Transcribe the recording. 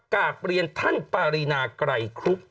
กราบเรียนท่านปารีนาไกรครุบ